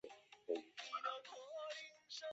另有四分之三降号表示。